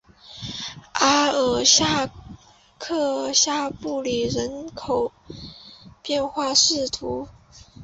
阿尔夏克下布里人口变化图示